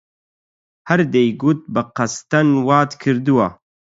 هەر دەیگوت بە قەستەن وات کردووە!